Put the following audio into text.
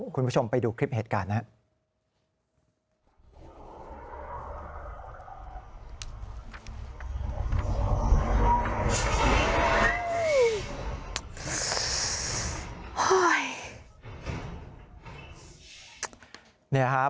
คุณผู้ชมไปดูคลิปเหตุการณ์นะครับ